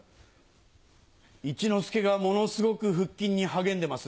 一之輔がものすごく腹筋に励んでます。